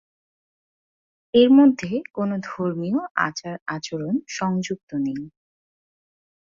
এর মধ্যে কোনো ধর্মীয় আচার-আচরণ সংযুক্ত নেই।